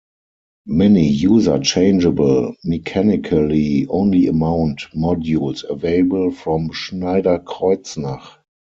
Many user-changeable mechanically-only mount modules available from Schneider Kreuznach.